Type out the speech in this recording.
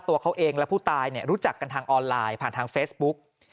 ตัวเขาเองและผู้ตายรู้จักกันทางออนไลน์ผ่านทางเฟซบุ๊ก